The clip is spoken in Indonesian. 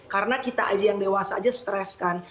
karena kita aja yang dewasa aja stress kan